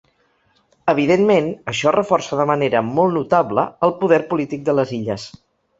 Evidentment, això reforça de manera molt notable el poder polític de les illes.